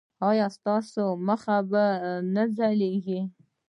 ایا ستاسو مخ به نه ځلیږي؟